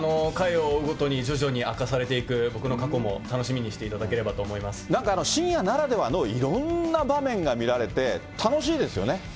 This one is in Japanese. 回を追うごとに、徐々に明かされていく、僕の過去も楽しみにしていただければと思なんか深夜ならではのいろんな場面が見られて、楽しいですよね。